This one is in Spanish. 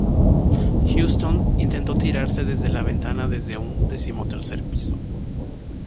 Houston intento tirarse desde la ventana desde un decimotercer piso.